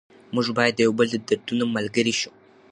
موږ باید د یو بل د دردونو ملګري شو.